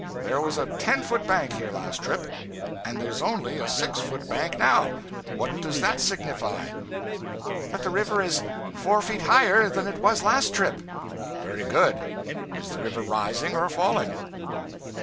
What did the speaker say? There was a ten foot bank here last trip, and there is only a six foot bank now. What does that signify?' 'That the river is four feet higher than it was last trip.' 'Very good. Is the river rising or falling?'